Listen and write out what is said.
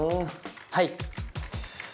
はい。